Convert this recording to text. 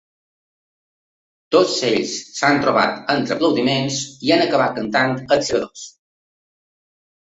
Tots ells s’han trobat entre aplaudiments i han acabat cantant ‘Els segadors’.